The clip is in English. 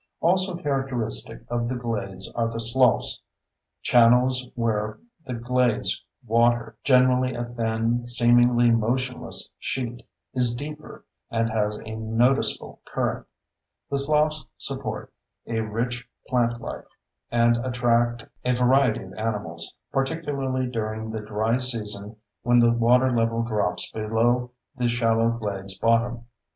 Also characteristic of the glades are the sloughs—channels where the glades water, generally a thin, seemingly motionless sheet, is deeper and has a noticeable current. The sloughs support a rich plantlife and attract a variety of animals, particularly during the dry season when the water level drops below the shallow glades bottom.